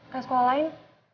kayak sekolah lain